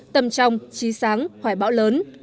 tầm trong trí sáng hoài bão lớn